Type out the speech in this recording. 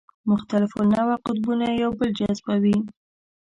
مختلف النوع قطبونه یو بل جذبوي.